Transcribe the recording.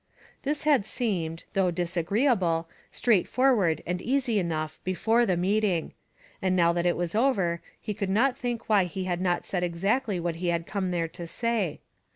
This had seemed, though disagreeable, straightforward and easy enough before the meeting; and now that it was over he could not think why he had not said exactly what he had come there to say.